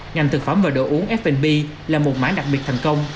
ngành thực phẩm và đồ uống f b là một mảng đặc biệt thành công